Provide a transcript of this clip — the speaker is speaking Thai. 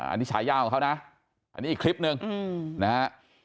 อันนี้ฉายาของเขานะอันนี้อีกคลิปหนึ่งนะฮะ